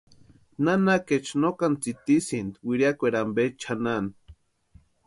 Nanakaecha no kani tsitisïnti wiriakweri ampe chʼanani.